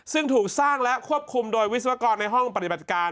ซึ่งถูกสร้างและควบคุมโดยวิศวกรในห้องปฏิบัติการ